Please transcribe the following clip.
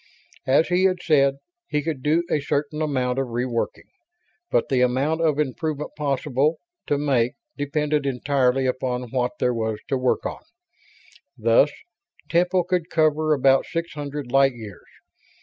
As he had said, he could do a certain amount of reworking; but the amount of improvement possible to make depended entirely upon what there was to work on. Thus, Temple could cover about six hundred light years.